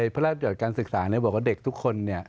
พระราชหอดการศึกษาบอกว่าเด็กทุกคนเนี่ย